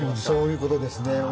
そういうことですね。